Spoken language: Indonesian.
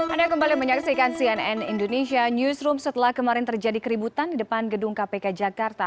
anda kembali menyaksikan cnn indonesia newsroom setelah kemarin terjadi keributan di depan gedung kpk jakarta